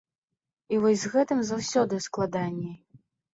І вось з гэтым заўсёды складаней.